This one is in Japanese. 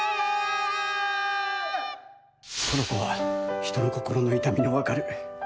この子は人の心の痛みの分かる